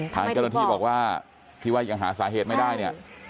ทางเจ้าหน้าที่บอกว่าที่ว่ายังหาสาเหตุไม่ได้เนี่ย